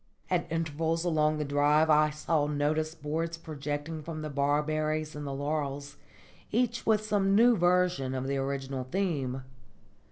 At intervals along the drive I saw notice boards projecting from the barberries and the laurels, each with some new version of the original theme.